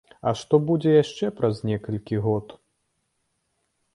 А што будзе яшчэ праз некалькі год?